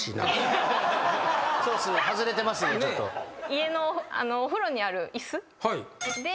家のお風呂にある椅子で。